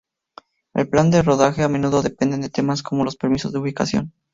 El plan de rodaje a menudo dependen de temas como los permisos de ubicación.